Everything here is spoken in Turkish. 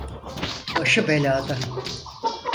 Başı belada.